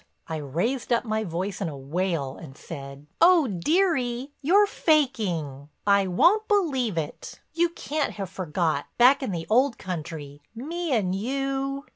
I raised up my voice in a wail and said: "Oh, dearie, you're faking; I won't believe it. You can't have forgot—back in the old country, me and you."